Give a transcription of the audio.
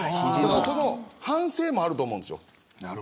その反省もあると思うんですよ。